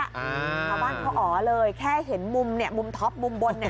ชาวบ้านเขาอ๋อเลยแค่เห็นมุมเนี่ยมุมท็อปมุมบนเนี่ย